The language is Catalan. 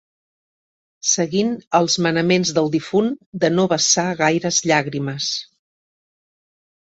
Seguint els manaments del difunt de no vessar gaires llàgrimes